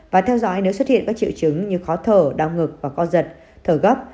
và theo dõi nếu xuất hiện các triệu chứng như khó thở đau ngực và co giật thở gấp